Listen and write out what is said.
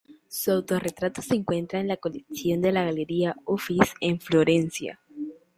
Su autorretrato se encuentra en la colección de la Galería Uffizi en Florencia.